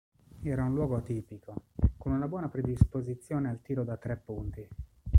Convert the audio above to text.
Era un lungo atipico, con una buona predisposizione al tiro da tre punti.